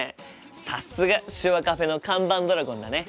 さすが手話カフェの看板ドラゴンだね。